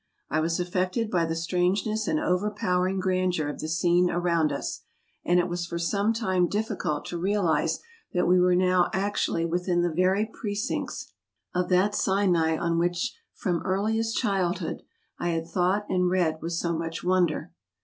I was affected by the strangeness and overpowering gran¬ deur of the scene around us; and it was for some MOU^'T SINAI. 223 time difficult to realise that we were now actually within the very pricincts of that Sinai on which from earliest cliildhood I had thought and read with so much wonder.